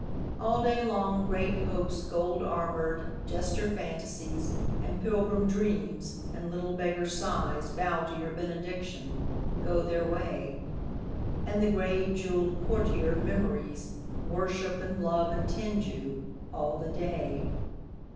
All day long Great Hopes gold armoured, jester Fantasies, And pilgrim Dreams, and little beggar Sighs, Bow to your benediction, go their way. And the grave jewelled courtier Memories Worship and love and tend you, all the day.